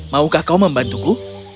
maukah kau membantuku